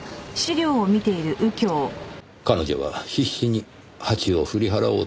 彼女は必死にハチを振り払おうとしたのですねぇ。